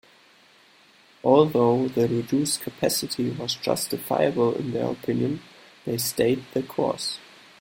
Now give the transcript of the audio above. Although the reduced capacity was justifiable in their opinion, they stayed the course.